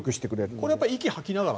これは息を吐きながら？